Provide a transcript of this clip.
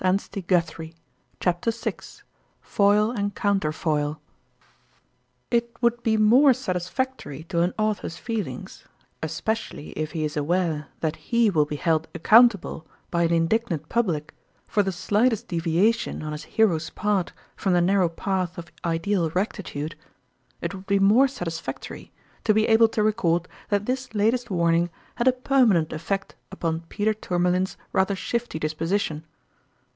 An Interrupted Crisis. A Domestic Surprise. IT would be more satisfactory to an author's feelings, especially when he is aware that he will be held accountable by an indignant pub lic for the slightest deviation on his hero's part from the narrow path of ideal rectitude it would be more satisfactory to be able to record that this latest warning had a permanent effect upon Peter Tourmalin's rather shifty disposi tion.